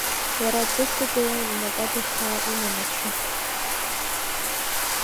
Иара длышьҭагылан, инапада хьаа имамызшәа.